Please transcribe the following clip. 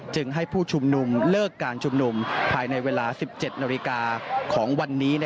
จึงให้ผู้ชุมนุมเลิกการชุมนุมภายในเวลา๑๗นาฬิกาของวันนี้